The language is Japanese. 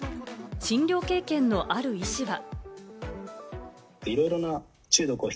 診療経験のある医師は。